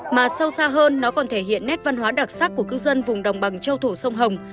mà sâu xa hơn nó còn thể hiện nét văn hóa đặc sắc của cư dân vùng đồng bằng châu thổ sông hồng